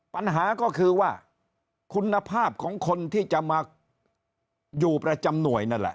ปัญหาก็คือว่าคุณภาพของคนที่จะมาอยู่ประจำหน่วยนั่นแหละ